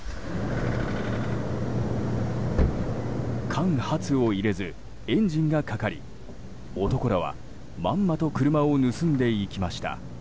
間髪を入れずエンジンがかかり男らはまんまと車を盗んでいきました。